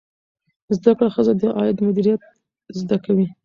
زده کړه ښځه د عاید مدیریت زده کوي.